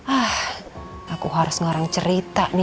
ah aku harus ngelarang cerita nih